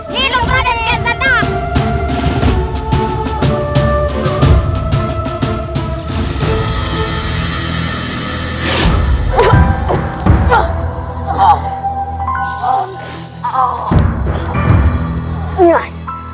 hiduplah dan kian santan